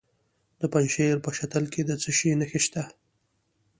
د پنجشیر په شتل کې د څه شي نښې دي؟